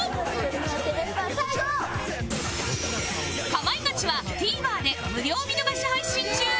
『かまいガチ』は ＴＶｅｒ で無料見逃し配信中